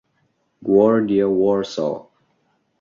Gwardia Warsaw